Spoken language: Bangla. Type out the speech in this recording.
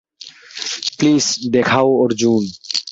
প্লিজ দেখাও, অর্জুন!